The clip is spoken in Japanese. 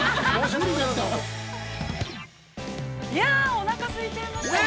◆おなかすいちゃいましたね。